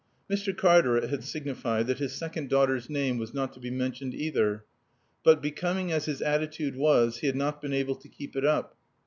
Mr. Cartaret had signified that his second daughter's name was not to be mentioned, either. But, becoming as his attitude was, he had not been able to keep it up.